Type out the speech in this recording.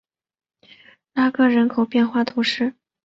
拉戈人口变化图示